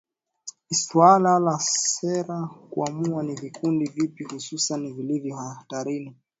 Ni suala la sera kuamua ni vikundi vipi hususan vilivyo hatarini